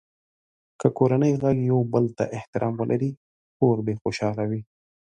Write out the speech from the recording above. که کورنۍ غړي یو بل ته احترام ولري، کور به خوشحال وي.